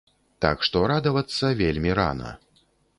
Так што радавацца вельмі рана.